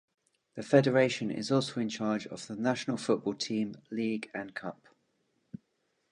The Federation is also in charge of the National Football Team, League and Cup.